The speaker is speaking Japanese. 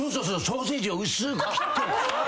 ソーセージを薄く切って。